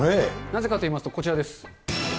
なぜかといいますと、こちらです。